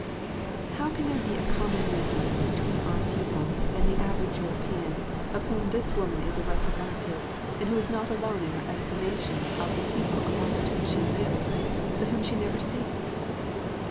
How can there be a common meeting ground between our people and the average European, of whom this woman is a representative and who is not alone in her estimation of the people amongst whom she lives but whom she never sees.